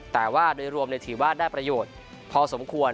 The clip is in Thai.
แต่ว่าโดยรวมถือว่าได้ประโยชน์พอสมควร